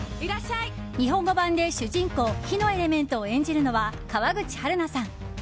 日本語版で主人公火のエレメントを演じるのは川口春奈さん。